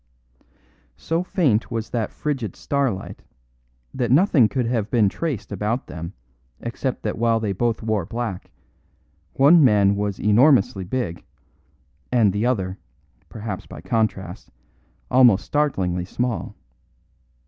So faint was that frigid starlight that nothing could have been traced about them except that while they both wore black, one man was enormously big, and the other (perhaps by contrast) almost startlingly small.